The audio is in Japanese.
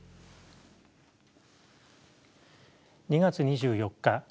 ２月２４日